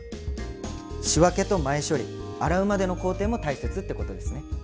仕分けと前処理洗うまでの工程も大切ってことですね。